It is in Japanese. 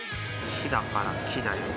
火だから木だよね。